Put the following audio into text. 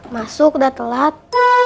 masuk dah telat